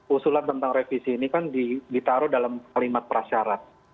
usulan tentang revisi ini kan ditaruh dalam kalimat prasyarat